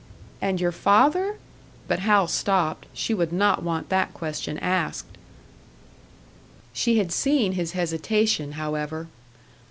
"And your father? " But Hal stopped. She would not want that question asked! She had seen his hesitation, however.